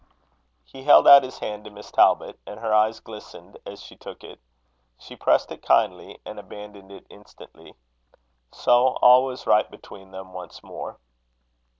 He held out his hand to Miss Talbot, and her eyes glistened as she took it. She pressed it kindly, and abandoned it instantly. So all was right between them once more.